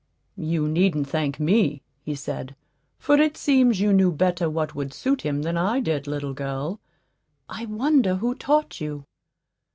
"You needn't thank me," he said; "for it seems you knew better what would suit him than I did, little girl. I wonder who taught you."